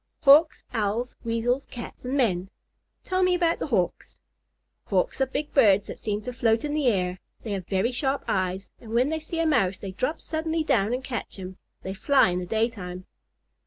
"Hawks, Owls, Weasels, Cats, and men." "Tell me about Hawks." "Hawks are big birds who seem to float in the air. They have very sharp eyes, and when they see a Mouse they drop suddenly down and catch him. They fly in the daytime."